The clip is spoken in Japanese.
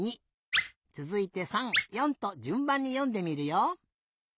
つづいて３４とじゅんばんによんでみるよ。